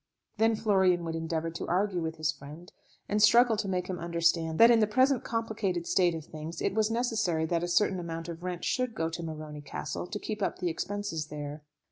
Then Florian would endeavour to argue with his friend, and struggle to make him understand that in the present complicated state of things it was necessary that a certain amount of rent should go to Morony Castle to keep up the expenses there.